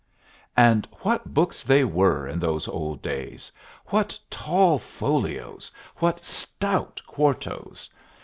And what books they were in those old days! What tall folios! What stout quartos!